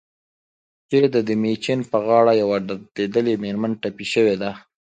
چرته دمیچن په غاړه يوه دردېدلې مېرمن ټپه شوې ده